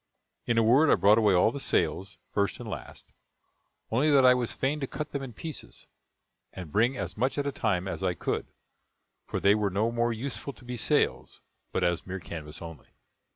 In a word, I brought away all the sails, first and last; only that I was fain to cut them in pieces, and bring as much at a time as I could, for they were no more useful to be sails, but as mere canvas only.